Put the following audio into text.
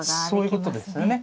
そういうことですよね